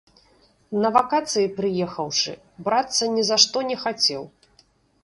На вакацыі прыехаўшы, брацца ні за што не хацеў.